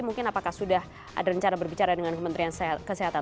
mungkin apakah sudah ada rencana berbicara dengan kementerian kesehatan